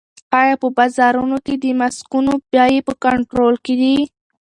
آیا په بازارونو کې د ماسکونو بیې په کنټرول کې دي؟